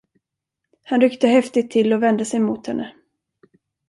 Han ryckte häftigt till och vände sig mot henne.